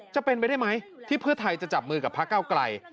จะเป็นไปได้ไหมที่เพื่อไทยจะจับมือกับพระเก้าไกล